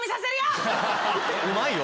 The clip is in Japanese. うまいよ。